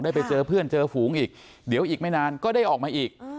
ไปเจอเพื่อนเจอฝูงอีกเดี๋ยวอีกไม่นานก็ได้ออกมาอีก